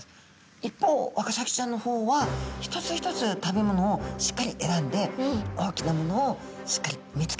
一方ワカサギちゃんの方は一つ一つ食べものをしっかり選んで大きなものをしっかり見つけてとらえて食べる。